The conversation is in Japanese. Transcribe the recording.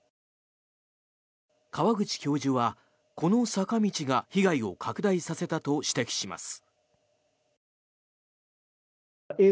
川口教授はこの坂道が被害を拡大させたと指摘します。